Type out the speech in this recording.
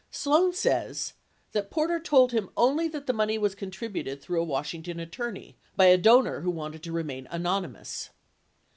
Sloan says that Porter told him only that the money was contributed through a Washington attorney, 90 by a donor who wanted to remain anonymous.